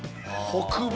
北米。